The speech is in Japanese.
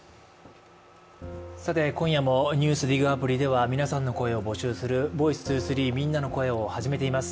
今夜も「ＮＥＷＳＤＩＧ」アプリでは皆さんの声を募集する「ｖｏｉｃｅ２３みんなの声」を始めています。